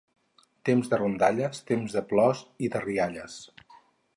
Temps de rondalles, temps de plors i de rialles.